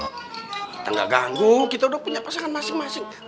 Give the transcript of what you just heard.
kita nggak ganggu kita udah punya pasangan masing masing